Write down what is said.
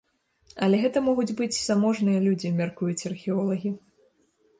Але гэта могуць быць заможныя людзі, мяркуюць археолагі.